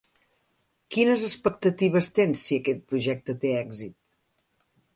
Quines expectatives tens si aquest projecte té èxit?